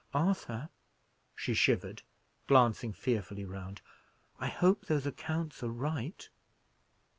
Arthur," she shivered, glancing fearfully round, "I hope those accounts are right?"